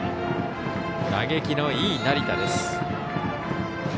打撃のいい成田です。